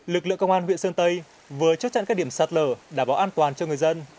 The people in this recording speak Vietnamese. lực lượng công an huyện sơn tây vừa chốt chặn các điểm sạt lở đảm bảo an toàn cho người dân